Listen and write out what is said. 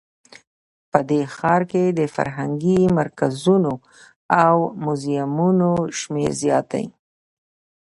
په دې ښار کې د فرهنګي مرکزونو او موزیمونو شمیر زیات ده